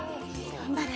頑張れ。